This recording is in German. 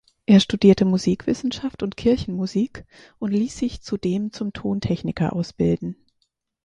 Er studierte Musikwissenschaft und Kirchenmusik und ließ sich zudem zum Tontechniker ausbilden.